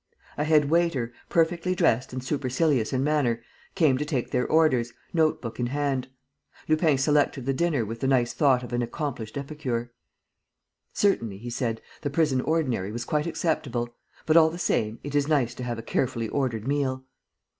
A head waiter, perfectly dressed and supercilious in manner, came to take their orders, note book in hand. Lupin selected the dinner with the nice thought of an accomplished epicure: "Certainly," he said, "the prison ordinary was quite acceptable; but, all the same, it is nice to have a carefully ordered meal."